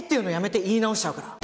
言い直しちゃうから。